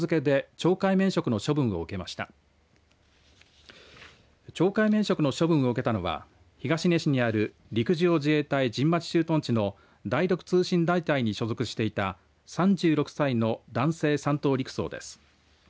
懲戒免職の処分を受けたのは東根市にある陸上自衛隊神町駐屯地の第６通信大隊に所属していた３６歳の男性３等陸曹です。